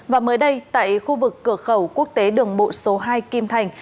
và mới đây tại khu vực cửa khẩu quốc tế đường bộ số hai kim thành